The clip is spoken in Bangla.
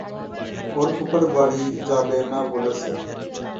ওর ফুফার বাড়ি যাবে না বলছে।